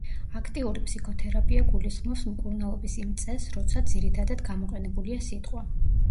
აქტიური ფსიქოთერაპია გულისხმობს მკურნალობის იმ წესს, როცა ძირითადად გამოყენებულია სიტყვა.